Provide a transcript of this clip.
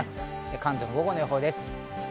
関東の午後の予報です。